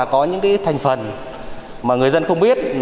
có những thành phần mà người dân không biết